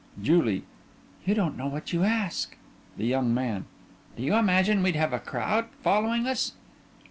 JULIE: You don't know what you ask. THE YOUNG MAN: Do you imagine we'd have a crowd following us?